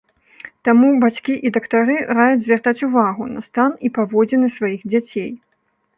Таму бацькі і дактары раяць звяртаць увагу на стан і паводзіны сваіх дзяцей.